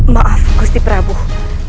maaf gusti prabuh